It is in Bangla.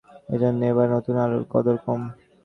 এ জন্য এবার নতুন আলুর কদর কম।